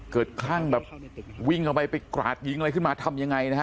คลั่งแบบวิ่งเข้าไปไปกราดยิงอะไรขึ้นมาทำยังไงนะฮะ